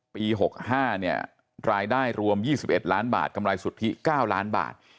ปี๖๕เนี่ยรายได้รวม๒๑ล้านบาทกำไรสุทธิ๙ล้านบาท